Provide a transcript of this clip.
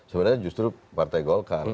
sebenarnya justru partai golkar